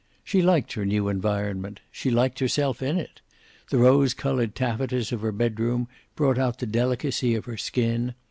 She liked her new environment. She liked herself in it. The rose colored taffetas of her bedroom brought out the delicacy of her skin.